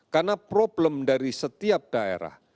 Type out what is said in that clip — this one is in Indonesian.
karena problem dari setiap daerah